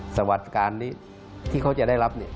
สวัสดิการนี้ที่เขาจะได้รับ